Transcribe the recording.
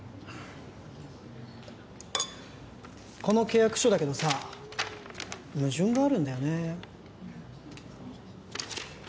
この契約書だけどさ矛盾があるんだよねえっ？